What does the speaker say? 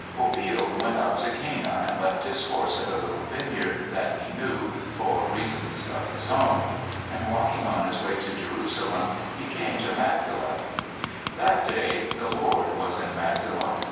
Obil went out to Cana and left his horse at a little vineyard that he knew, for reasons of his own. And walking on his way to Jerusalem he came to Magdala. That day the Lord was in Magdala.